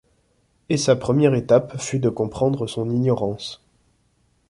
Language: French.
Et sa première étape fut de comprendre son ignorance.